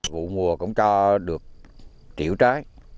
vụ mùa công tra được triệu trọng